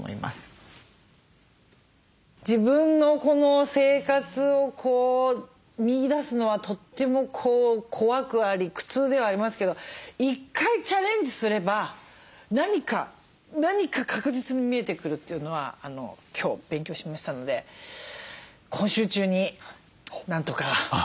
自分のこの生活を見いだすのはとっても怖くあり苦痛ではありますけど１回チャレンジすれば何か何か確実に見えてくるというのは今日勉強しましたので今週中になんとかあのこれをやりたいと。